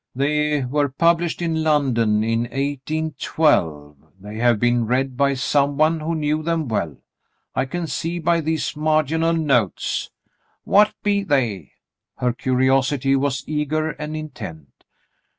"They were published in London in eighteen twelve. They have been read by some one who knew them well, I can see by these marginal notes." "What be they ?" Her curiosity was eager and intent.